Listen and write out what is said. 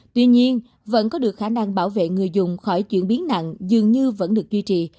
tuy nhiên vẫn có được khả năng bảo vệ người dùng khỏi chuyển biến nặng dường như vẫn được duy trì